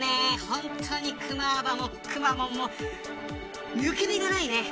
本当にクマーバもくまモンも抜け目がないね。